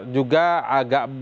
juga agak bertentangan